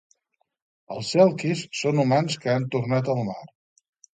Els selkis són humans que han tornat al mar.